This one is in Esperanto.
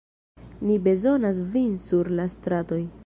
Ni bezonas vin sur la stratoj.